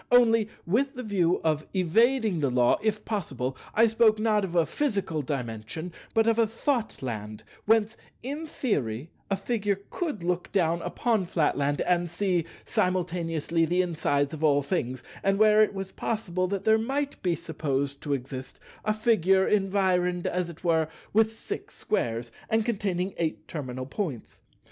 Only, with the view of evading the Law, if possible, I spoke not of a physical Dimension, but of a Thoughtland whence, in theory, a Figure could look down upon Flatland and see simultaneously the insides of all things, and where it was possible that there might be supposed to exist a Figure environed, as it were, with six Squares, and containing eight terminal Points.